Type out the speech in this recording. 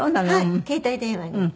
はい携帯電話に。